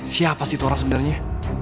siapa sih clara sebenarnya